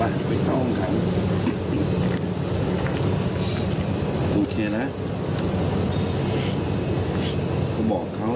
สัญญา